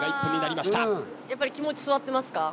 やっぱり気持ち据わってますか。